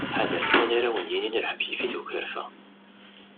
Ḥader-t win ara awen-yinin lḥeb yif-it ukerfa!